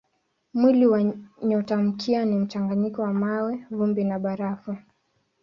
Mwili wa nyotamkia ni mchanganyiko wa mawe, vumbi na barafu.